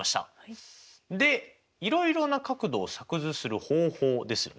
でいろいろな角度を作図する方法ですよね。